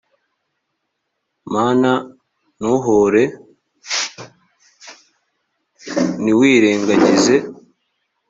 mana ntuhore, ntiwirengagize